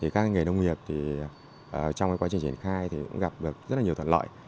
các nghề nông nghiệp trong quá trình triển khai cũng gặp được rất nhiều thuận lợi